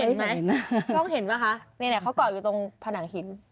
เค้าเห็นไหมคะไหนเค้าเกาะอยู่ตรงผนังหิน